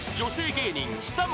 芸人久本